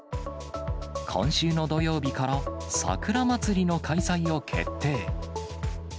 今週の土曜日から、さくら祭りの開催を決定。